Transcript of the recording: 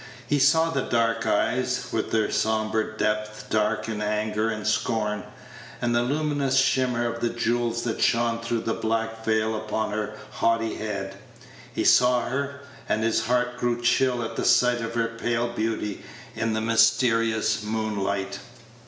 He saw the dark eyes, with their sombre depth dark in anger and scorn, and the luminous shimmer of the jewels that shone through the black veil upon her haughty head. He saw her, and his heart grew chill at the sight of her pale beauty in the mysterious moonlight.